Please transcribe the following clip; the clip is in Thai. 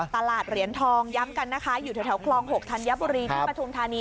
เหรียญทองย้ำกันนะคะอยู่แถวคลอง๖ธัญบุรีที่ปฐุมธานี